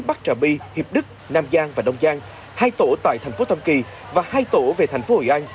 bắc trà my hiệp đức nam giang và đông giang hai tổ tại thành phố tam kỳ và hai tổ về thành phố hội an